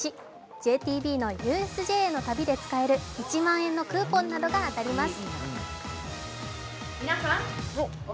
ＪＴＢのＵＳＪへの旅で使える１万円のクーポンなどが当たります。